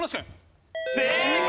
正解！